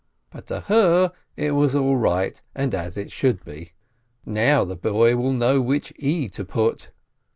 But to her it was all right and as it should be. Now the boy will know which e to put.